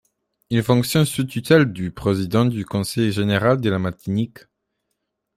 Il fonctionne sous tutelle du Président du Conseil général de la Martinique.